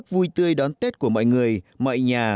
vui tươi đón tết của mọi người mọi nhà